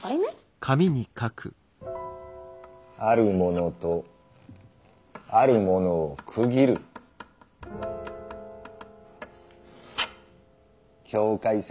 「あるもの」と「あるもの」を区切る境界線。